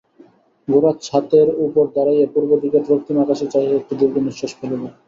গোরা ছাতের উপর দাঁড়াইয়া পূর্ব দিকের রক্তিম আকাশে চাহিয়া একটি দীর্ঘ-নিশ্বাস ফেলিল।